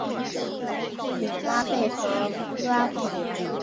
米拉贝和布拉孔。